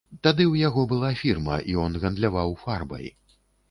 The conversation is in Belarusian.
Тады ў яго была фірма, ён гандляваў фарбай.